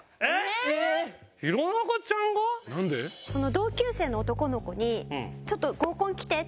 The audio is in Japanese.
同級生の男の子に「ちょっと合コン来て」って言われて。